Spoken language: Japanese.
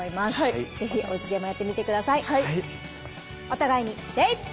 お互いに礼！